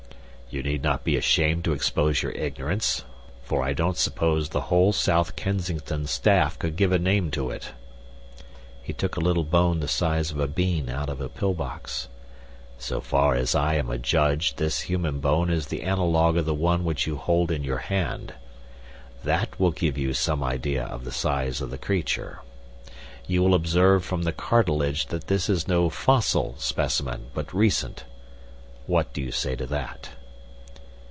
"You need not be ashamed to expose your ignorance, for I don't suppose the whole South Kensington staff could give a name to it." He took a little bone the size of a bean out of a pill box. "So far as I am a judge this human bone is the analogue of the one which you hold in your hand. That will give you some idea of the size of the creature. You will observe from the cartilage that this is no fossil specimen, but recent. What do you say to that?"